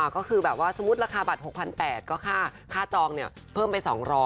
ก็คือแบบว่าสมมุติราคาบัตร๖๘๐๐ก็ค่าจองเพิ่มไป๒๐๐